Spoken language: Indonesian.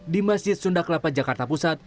di masjid sunda kelapa jakarta pusat